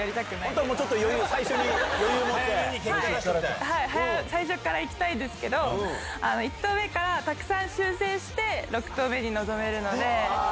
本当はもうちょっと余裕、最初からいきたいですけど、１投目からたくさん修正して、６投目に臨めるので。